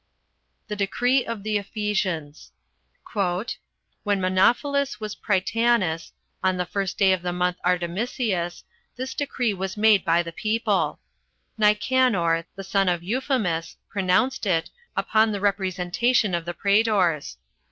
The decree of the Ephesians. "When Menophilus was prytanis, on the first day of the month Artemisius, this decree was made by the people: Nicanor, the son of Euphemus, pronounced it, upon the representation of the praetors.